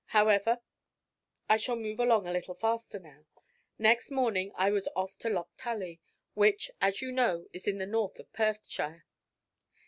However, I shall move along a little faster now. Next morning I was off to Lochtully, which, as you know, is in the north of Perthshire.